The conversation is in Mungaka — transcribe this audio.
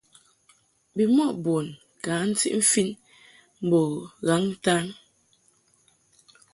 Bimɔʼ bun ka ntiʼ mfin mbo ghaŋ-ntan.